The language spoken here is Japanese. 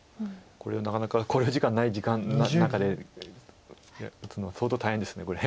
これはなかなか考慮時間ない時間の中で打つのは相当大変ですこれ。